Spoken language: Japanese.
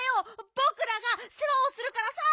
ぼくらがせわをするからさ！